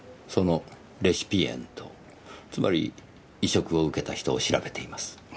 そのレシピエントつまり移植を受けた人を調べています。